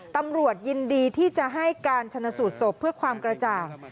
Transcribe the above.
ตำรวจยินดีที่จะให้การชนสูตรศพเพื่อความกระจ่าง